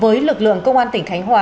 với lực lượng công an tỉnh khánh hòa